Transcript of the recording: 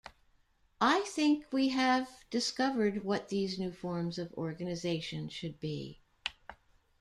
I think we have discovered what these new forms of organisation should be.